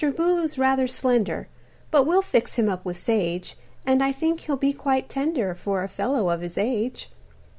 Booloo's rather slender, But we'll fix him up with sage, And I think he'll be quite tender For a fellow of his age.